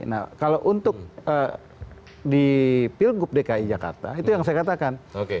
nah kalau untuk di pilgub dki jakarta itu yang saya katakan